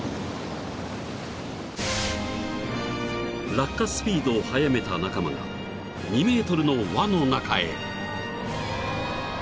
［落下スピードを速めた仲間が２ｍの輪の中へ］